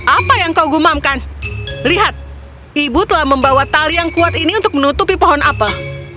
apa yang kau gumamkan lihat ibu telah membawa tali yang kuat ini untuk menutupi pohon apel